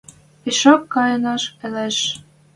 Пишок кайышан ылеш.